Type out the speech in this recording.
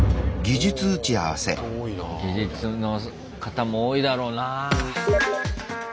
技術の方も多いだろうな。